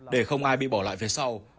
để không ai bị bỏ lại phía sau